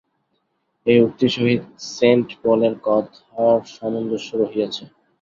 এই উক্তির সহিত সেণ্ট পলের কথার সামঞ্জস্য রহিয়াছে।